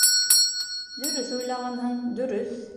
— Дөрөҫ уйлағанһың, дөрөҫ.